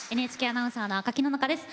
ＮＨＫアナウンサーの赤木野々花です。